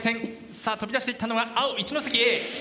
さあ飛び出していったのは青一関Ａ。